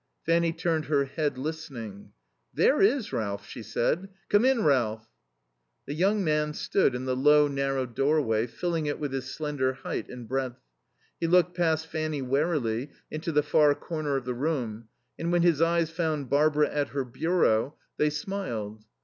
Fanny turned her head, listening. "There is Ralph," she said. "Come in, Ralph!" The young man stood in the low, narrow doorway, filling it with his slender height and breadth. He looked past Fanny, warily, into the far corner of the room, and when his eyes found Barbara at her bureau they smiled.